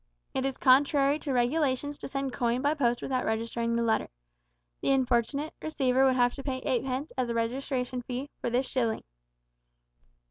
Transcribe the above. It is contrary to regulations to send coin by post without registering the letter. The unfortunate receiver would have to pay eightpence, as a registration fee, for this shilling!